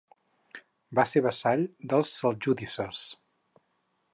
Va ser vassall dels seljúcides.